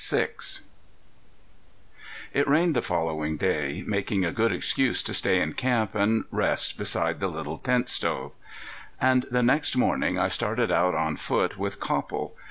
V It rained the following day, making a good excuse to stay in camp and rest beside the little tent stove. And the next morning I started out on foot with Copple.